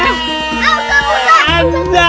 aduh kagum tak